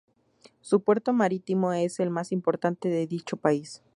Su puerto marítimo es el más importante de dicho país.